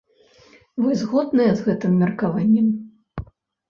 Вы згодныя з гэтым меркаваннем?